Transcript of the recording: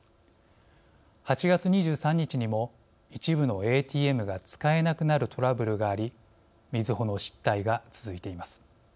８月２３日にも一部のＡＴＭが使えなくなるトラブルがありみずほの失態が続いています。